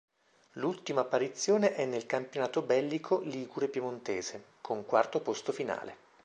L'ultima apparizione è nel Campionato Bellico Ligure-Piemontese, con quarto posto finale.